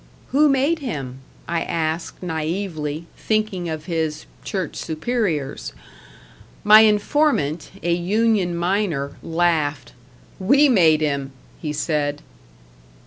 "Who made him?" I asked, naively, thinking of his, church superiors. My informant, a union miner, laughed. "#We# made him!" he said.